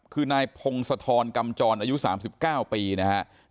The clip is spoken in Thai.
คือนายพงศธรกำจรอายุ๓๙ปีนะครับ